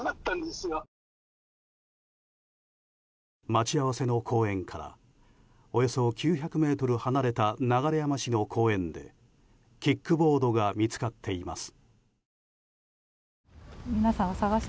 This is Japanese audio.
待ち合わせの公園からおよそ９００ｍ離れた流山市の公園でキックボードが見つかっています。